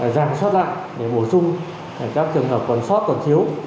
giảm soát lại để bổ sung các trường hợp còn soát còn thiếu